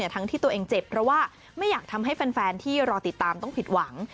ทั้งที่ตัวเองเจ็บเพราะว่าไม่อยากทำให้แฟนที่รอติดตามต้องผิดหวัง